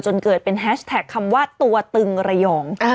เกิดเป็นแฮชแท็กคำว่าตัวตึงระยอง